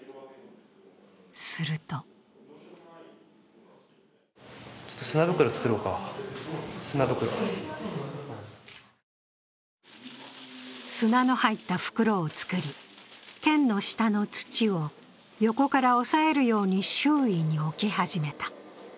すると砂の入った袋を作り、剣の下の土を横から押さえるように周囲に置き始めた。